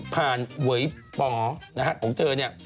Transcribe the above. ผ่านเวย์ปอร์ผมเจอ